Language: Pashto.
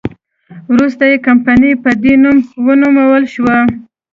وروسته یې کمپنۍ په دې نوم ونومول شوه.